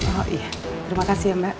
oh iya terima kasih ya mbak